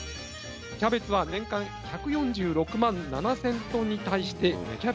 キャベツは年間１４６万７，０００トンに対して芽